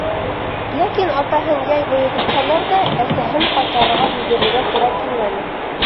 Ләкин атаһын йәй буйы көтһәләр ҙә, әсәһен ҡайтарырға йүгерергә тура килмәне.